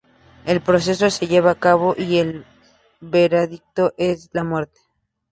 El proceso se lleva a cabo y el veredicto es la muerte.